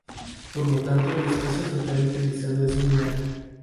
Por lo tanto el espacio total utilizado es lineal.